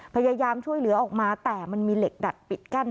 พยายามช่วยเหลือออกมาแต่มันมีเหล็กดัดปิดกั้น